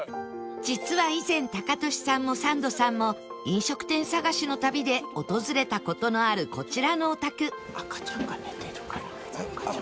実は以前タカトシさんもサンドさんも飲食店探しの旅で訪れた事のあるこちらのお宅ああああ。赤ちゃん寝てるから。